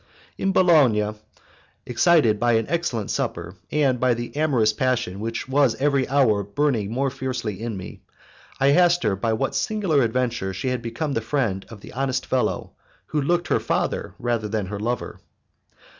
In Bologna, excited by an excellent supper and by the amorous passion which was every hour burning more fiercely in me, I asked her by what singular adventure she had become the friend of the honest fellow who looked her father rather than her lover.